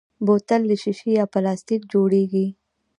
بوتل له شیشې یا پلاستیک جوړېږي.